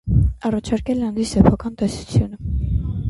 Առաջարկել է անձի սեփական տեսությունը։